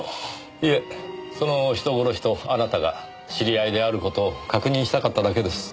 いえその人殺しとあなたが知り合いである事を確認したかっただけです。